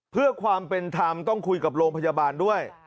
เพื่อความเป็นธรรมต้องคุยกับโรงพยาบาลด้วย